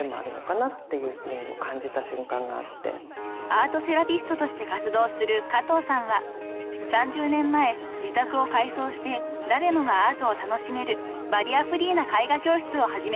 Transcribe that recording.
［アートセラピストとして活動する加藤さんは３０年前自宅を改装して誰もがアートを楽しめるバリアフリーな絵画教室を始めました］